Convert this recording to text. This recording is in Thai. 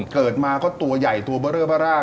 เกิดมาก็ตัวใหญ่ตัวเบอร์เรอร์บาร่า